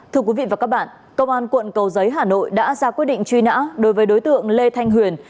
thưa quý vị và các bạn công an quận cầu giấy hà nội đã ra quyết định truy nã đối với đối tượng lê thanh huyền